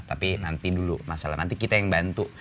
tapi nanti dulu masalah nanti kita yang bantu